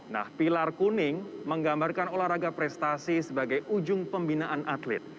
nah pilar kuning menggambarkan olahraga prestasi sebagai ujung pembinaan atlet